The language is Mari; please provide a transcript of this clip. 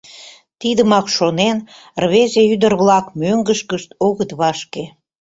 Тидымак шонен, рвезе-ӱдыр-влак мӧҥгышкышт огыт вашке.